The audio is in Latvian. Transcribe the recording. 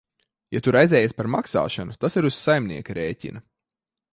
Ja tu raizējies par maksāšanu, tas ir uz saimnieka rēķina.